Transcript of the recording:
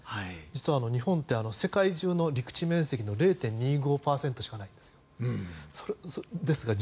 実は日本って世界中の陸地面積の０．２５％しかないんです。